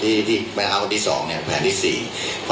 เดี๋ยวไอ้ชุดเดี๋ยวเนี่ยก็มาอยู่ที่แม่ค้าแผงที่สี่นะครับ